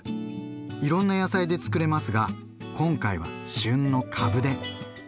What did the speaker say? いろんな野菜でつくれますが今回は旬の「かぶ」で。